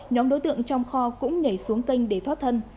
nhóm đối tượng trong kho cũng nhảy xuống kênh để thoát thân